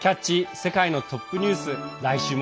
世界のトップニュース」。